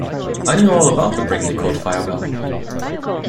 I knew all about the Brinkley Court fire bell.